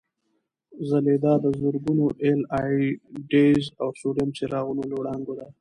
ځلېدا د زرګونو اېل ای ډیز او سوډیم څراغونو له وړانګو ده.